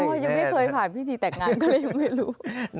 โอ๊ยยังไม่เคยผ่านพิธีแตกงานก็เลยไม่รู้